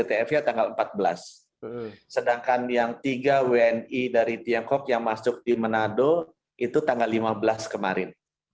jadi yang satu wni yang masuk dari inggris dan amerika kan terdeteksi pcr sga tanggal empat belas sedangkan yang tiga wni dari tiongkok yang masuk di manado itu tanggal lima belas kemarin